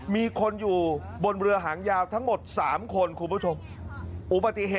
มีคนอยู่บนเรือหางยาวทั้งหมดสามคนคุณผู้ชมอุปสรรค์